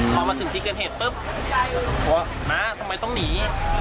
พอมาถึงที่เกิดเหตุปุ๊บว่าน้าทำไมต้องหนี